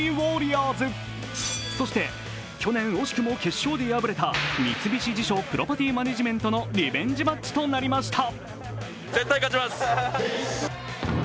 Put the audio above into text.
そして去年惜しくも決勝で敗れた三菱地所プロパティマネジメントのリベンジマッチとなりました。